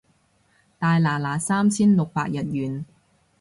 大拿拿三千六百日圓